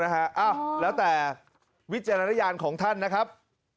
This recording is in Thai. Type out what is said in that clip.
เอ้าแล้วแต่วิจารณญาณของท่านนะครับ